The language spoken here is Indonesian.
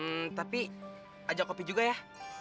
hmm tapi ajak kopi juga ya